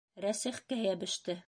Рәсихкә йәбеште!